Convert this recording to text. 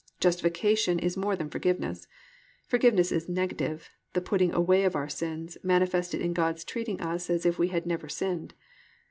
"+ Justification is more than forgiveness. Forgiveness is negative, the putting away of our sins, manifested in God's treating us as if we never had sinned.